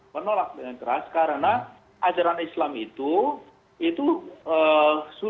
menolak dengan keras karena ajaran islam itu sudah disebut bahkan di dalam undang undang ormas juga